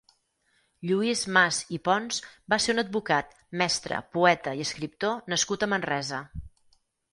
Lluís Mas i Pons va ser un advocat, mestre, poeta i escriptor nascut a Manresa.